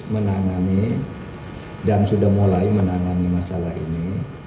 menangani dan sudah mulai menangani masalah ini